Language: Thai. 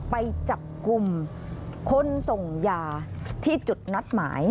ไปจับกลุ่มคนส่งยาที่จุดนัดหมาย